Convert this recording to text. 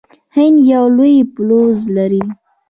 هند یو لوی پوځ لري.